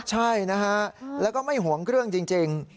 ใช่นะฮะแล้วก็ไม่ห่วงเครื่องจริง